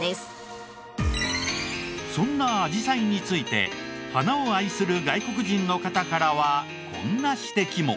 そんなあじさいについて花を愛する外国人の方からはこんな指摘も。